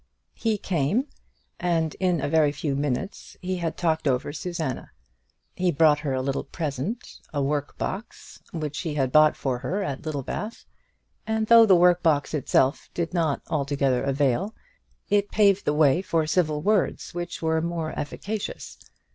He came, and in a very few minutes he had talked over Susanna. He brought her a little present, a work box, which he had bought for her at Littlebath; and though the work box itself did not altogether avail, it paved the way for civil words, which were more efficacious.